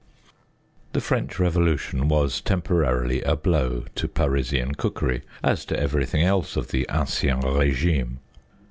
The French Revolution was temporarily a blow to Parisian cookery, as to everything else of the ancien regime.